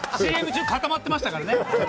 ＣＭ中、固まってましたね。